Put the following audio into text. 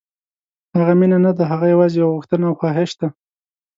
هغه مینه نه ده، هغه یوازې یو غوښتنه او خواهش دی.